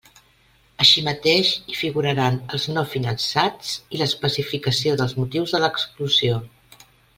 Així mateix, hi figuraran els no finançats i l'especificació dels motius de l'exclusió.